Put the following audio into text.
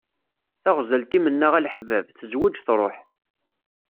Taɣzalt i mennaɣ a leḥbab, tezweǧ truḥ.